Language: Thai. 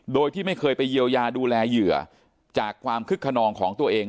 โดยที่ไม่เคยไปเยียวยาดูแลเหยื่อจากความคึกขนองของตัวเอง